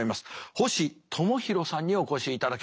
星友啓さんにお越しいただきました。